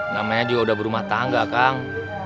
namanya juga udah berumah tangga kang